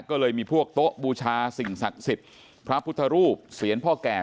ก็เลยมีพวกโต๊ะบูชาสิ่งศักดิ์สิทธิ์พระพุทธรูปเสียรพ่อแก่